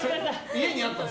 家にあったの？